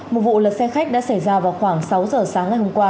một vụ lật xe khách đã xảy ra vào khoảng sáu giờ sáng ngày hôm qua